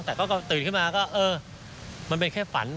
แต่ก็ตื่นขึ้นมาก็เออมันเป็นแค่ฝัน